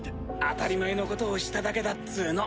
当たり前のことをしただけだっつの。